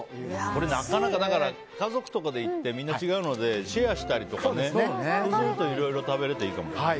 これ家族とかで行ってみんな違うのでシェアしたりとかするといろいろと食べられていいかもね。